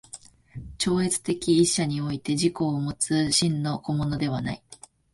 超越的一者において自己をもつ真の個物ではない。